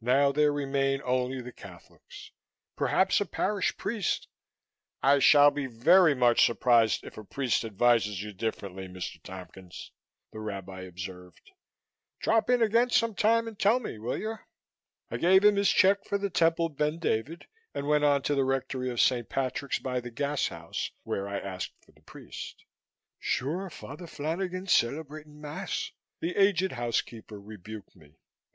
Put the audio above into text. "Now there remain only the Catholics. Perhaps a parish priest " "I shall be very much surprised if a priest advises you differently, Mr. Tompkins," the Rabbi observed. "Drop in again some time and tell me, will you?" I gave him his check for the Temple Ben David and went on to the rectory of St. Patrick's by the Gashouse, where I asked for the priest. "Sure, Father Flanagan's celebrating Mass," the aged housekeeper rebuked me.